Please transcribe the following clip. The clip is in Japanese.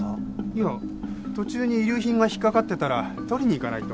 いや途中に遺留品が引っかかってたら取りに行かないと。